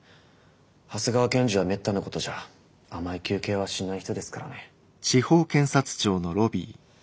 長谷川検事はめったなことじゃ甘い求刑はしない人ですからね。